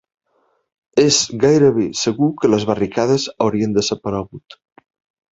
...és gairebé segur que les barricades haurien desaparegut